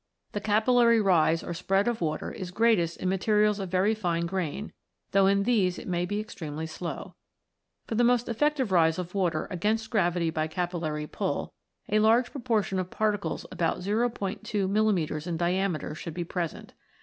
The capillary rise or spread of water is greatest in materials of very fine grain, though in these it may be extremely slow. For the most effective rise of water against gravity by capillary pull, a large proportion of particles about 02 mm. in diameter should be present.